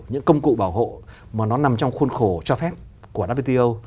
những công cụ bảo hộ mà nó nằm trong khuôn khổ cho phép của wto